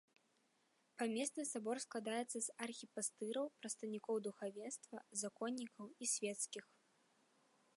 Памесны сабор складаецца з архіпастыраў, прадстаўнікоў духавенства, законнікаў і свецкіх.